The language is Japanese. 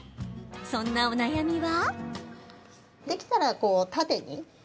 そんなお悩みは。